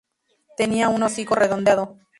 Tenía un hocico redondeado.